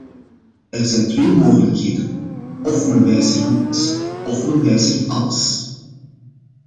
Er zijn twee mogelijkheden: of men wijzigt niets of men wijzigt alles.